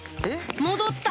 戻った！